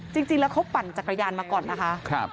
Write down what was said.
จริงแล้วเขาปั่นจักรยานมาก่อนนะคะ